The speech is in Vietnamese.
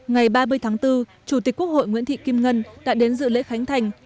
ngày ba mươi tháng bốn chủ tịch quốc hội nguyễn thị kim ngân đã đến dự lễ khánh thành